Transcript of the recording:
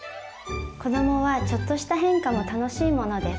子どもはちょっとした変化も楽しいものです。